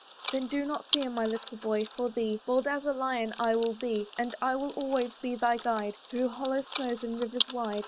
Then do not fear, my boy! for thee Bold as a lion I will be; And I will always be thy guide, Through hollow snows and rivers wide.